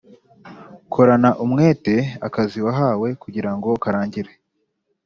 Korana umwete akazi wahawe kugirango karangire